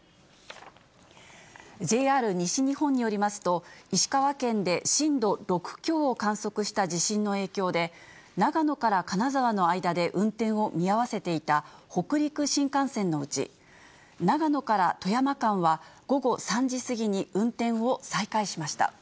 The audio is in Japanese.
ＪＲ西日本によりますと、石川県で震度６強を観測した地震の影響で、長野から金沢の間で運転を見合わせていた北陸新幹線のうち、長野から富山間は午後３時過ぎに運転を再開しました。